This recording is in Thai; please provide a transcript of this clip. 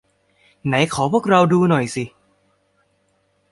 ไหนขอพวกเราดูหน่อยสิ